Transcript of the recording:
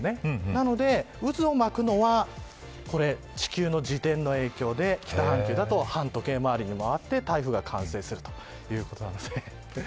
なので、渦を巻くのはこれ地球の自転の影響で北半球だと、反時計回りに回って台風が完成するということです。